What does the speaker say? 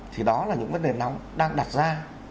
thì đó là những vấn đề nóng đang đặt ra